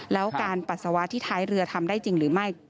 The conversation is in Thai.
แล้วการปัสสาวะที่ท้ายเรือทำได้จริงหรือไม่